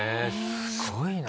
すごいな。